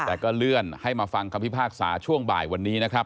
แต่ก็เลื่อนให้มาฟังคำพิพากษาช่วงบ่ายวันนี้นะครับ